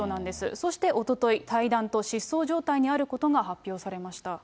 そして、おととい、退団と失踪状態にあることが発表されました。